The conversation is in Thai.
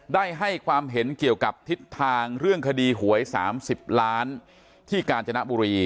ได้ให้ความเห็นเกี่ยวกับทิศทางเรื่องคดีหวย๓๐ล้านที่กาญจนบุรี